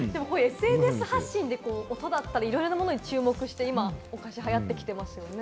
ＳＮＳ発信で音だったり、いろいろなものに注目して、今、お菓子流行ってきてますよね。